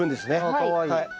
あかわいい。